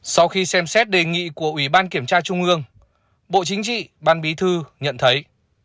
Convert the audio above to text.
sau khi xem xét đề nghị của ủy ban kiểm tra trung ương bộ chính trị ban bí thư nhận thấy